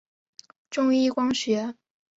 中一光学。